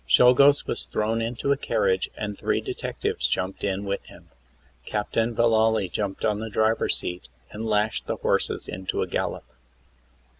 Czolgosz was thrown into a carriage and three detectives jumped in with him. Captain Vallaly jumped on the driver's seat and lashed the horses into a gallop.